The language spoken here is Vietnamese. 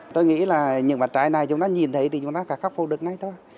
tôi nghĩ là những mặt trái này chúng ta nhìn thấy thì chúng ta phải khắc phục được ngay thôi